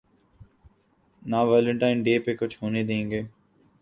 نہ Valentine day پہ کچھ ہونے دیں گے۔